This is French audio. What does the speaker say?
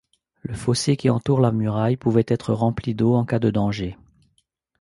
Le fossé qui entoure la muraille pouvait être rempli d'eau en cas de danger.